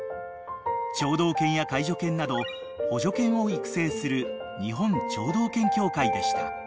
［聴導犬や介助犬など補助犬を育成する日本聴導犬協会でした］